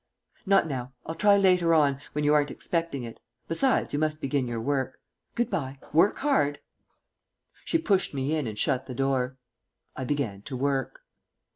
"Not now. I'll try later on, when you aren't expecting it. Besides, you must begin your work. Good bye. Work hard." She pushed me in and shut the door. I began to work.